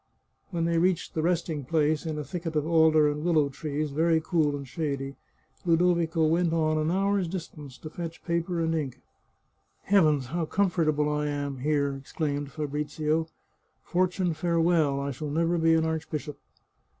When they reached the resting place, in a thicket of alder and willow trees, very cool and shady, Ludovico went on an hour's distance to fetch paper and ink. " Heavens ! how comfortable I am here !" exclaimed Fabrizio ;" for tune, farewell! I shall never be an archbishop."